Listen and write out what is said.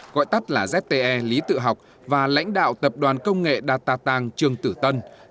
gọi tắt là zte lý tự học và lãnh đạo tập đoàn công nghệ datatang trương tử tân